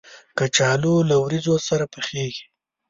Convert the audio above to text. کچالو له وریجو سره پخېږي